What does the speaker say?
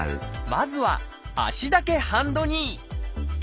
まずは「足だけハンドニー」